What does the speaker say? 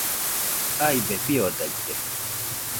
Jaibe fiodaite